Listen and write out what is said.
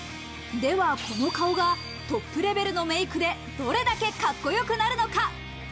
では、この顔がトップレベルのメイクでどれだけカッコよくなるのか。